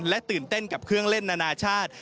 ตื่นเต้นกับเครื่องเล่นนานาชาติ